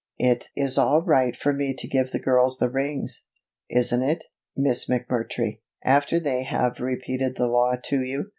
It is all right for me to give the girls the rings, isn't it, Miss McMurtry, after they have repeated the law to you?"